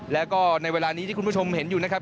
แล้วก็ในเวลานี้ที่คุณผู้ชมเห็นอยู่นะครับ